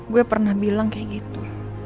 gue pernah bilang kayak gitu